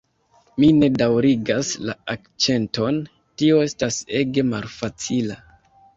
Mi ne daŭrigas la akĉenton tio estas ege malfacila